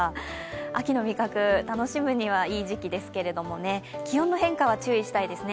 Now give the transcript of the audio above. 秋の味覚、楽しむにはいい時期ですけれども、気温の変化は注意したいですね。